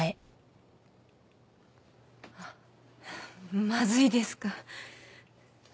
あっまずいですか？